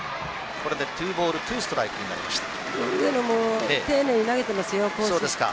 これで２ボール２ストライクになりました。